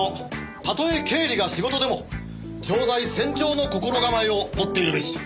たとえ経理が仕事でも常在戦場の心構えを持っているべし。